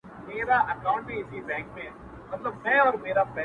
اې ښكلي پاچا سومه چي ستا سومه ـ